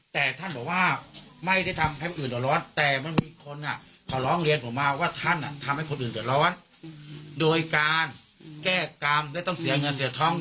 แต่ท่านบอกว่าไม่ได้ทำให้คนอื่นเดินร้อน